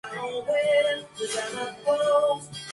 Su hermana es la actriz y cantante de tangos Paula Gales.